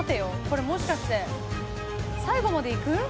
これもしかして最後までいく？